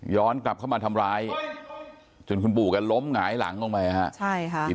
ย้อนกลับเข้ามาทำร้ายจนคุณผมก็ล้มหน่อยหลังลงไปใช่ครับอีรี้น